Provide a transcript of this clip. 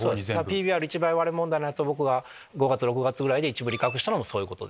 ＰＢＲ１倍割れ問題のやつを僕が５月６月ぐらいに一部利確したのもそういうこと。